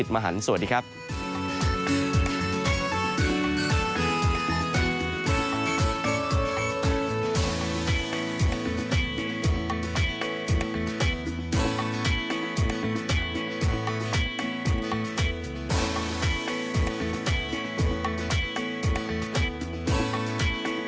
ต่ำสุดอยู่ที่ประมาณ๓๔๓๔องศาเซียส